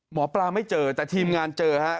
หมอปลาไม่เจอแต่ทีมงานเจอฮะ